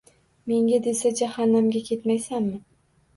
Menga desa jahannamga ketmaysanmi